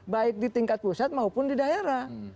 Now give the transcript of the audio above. baik di tingkat pusat maupun di daerah